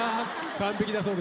完璧だそうです。